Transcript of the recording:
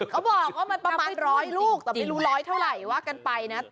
เขาบอกว่ามันประมาณร้อยลูกแต่ไม่รู้ร้อยเท่าไหร่ว่ากันไปนะ